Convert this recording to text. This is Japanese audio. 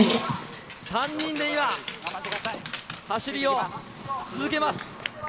３人で今、走りを続けます。